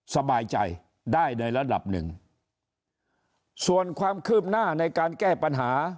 สบายใจได้ในระดับหนึ่งส่วนความคืบหน้าในการแก้ปัญหา